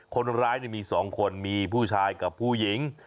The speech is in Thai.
คนร้ายมี๒คนมีผู้ชายกับผู้หญิง